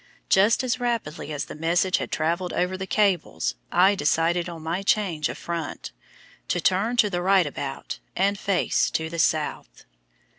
Just as rapidly as the message had travelled over the cables I decided on my change of front to turn to the right about, and face to the South.